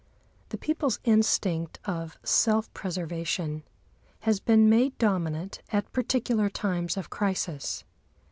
The people's instinct of self preservation has been made dominant at particular times of crisis.